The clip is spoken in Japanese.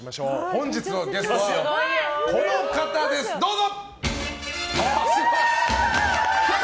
本日のゲストはこの方ですどうぞ！